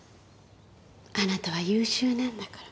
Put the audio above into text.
あなたは優秀なんだから。